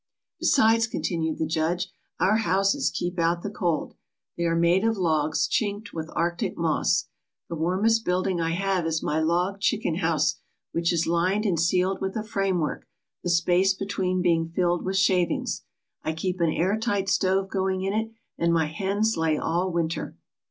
"Besides," continued the judge, "our houses keep out the cold. They are made of logs, chinked with Arctic moss. The warmest building I have is my log chicken house which is lined and ceiled with a framework, the space between being filled with shavings. I keep an air tight stove going in it, and my hens lay all winter."